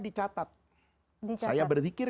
dicatat saya berzikir